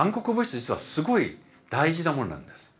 実はすごい大事なものなんです。